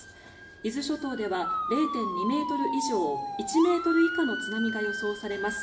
伊豆諸島では０．２ｍ以上１ｍ以下の津波が予想されます。